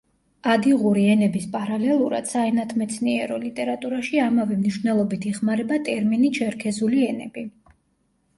ადიღური ენების პარალელურად საენათმეცნიერო ლიტერატურაში ამავე მნიშვნელობით იხმარება ტერმინი „ჩერქეზული ენები“.